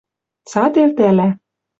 цат элтала